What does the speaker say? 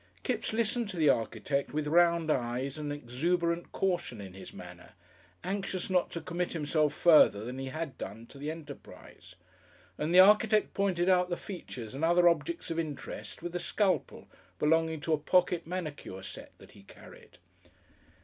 Kipps listened to the architect with round eyes and an exuberant caution in his manner, anxious not to commit himself further than he had done to the enterprise, and the architect pointed out the Features and other objects of interest with the scalpel belonging to a pocket manicure set that he carried.